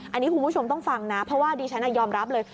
อันนี้คุณผู้ชมต้องฟังนะเพราะว่าดิฉันยอมรับเลย